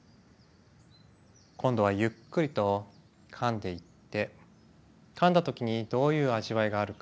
今度はゆっくりとかんでいってかんだ時にどういう味わいがあるか